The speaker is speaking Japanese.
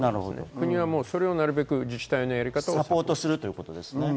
国はなるべく自治体のやり方をサポートするということです。